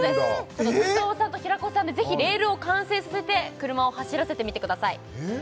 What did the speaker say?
ちょっと中尾さんと平子さんでぜひレールを完成させて車を走らせてみてくださいえっ？